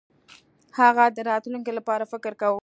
هغه د راتلونکي لپاره فکر کاوه.